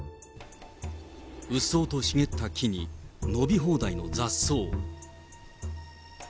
うっそうと茂った木に、伸び放題の雑草。